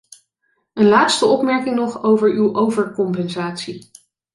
Een laatste opmerking nog over uw overcompensatie.